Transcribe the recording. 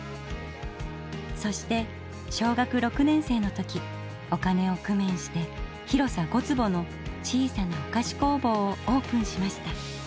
そして小学６年生の時お金を工面して広さ５つぼの小さなお菓子工房をオープンしました。